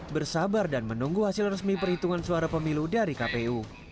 bersabar dan menunggu hasil resmi perhitungan suara pemilu dari kpu